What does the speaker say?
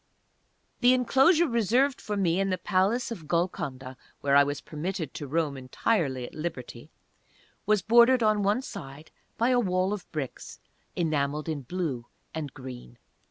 The enclosure reserved for me in the Palace of Golconda, where I was permitted to roam entirely at liberty, was bordered on one side by a wall of bricks enameled in blue and green.